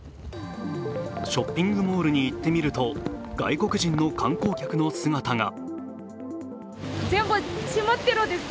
ショッピングモールに行ってみると外国人の観光客の姿が。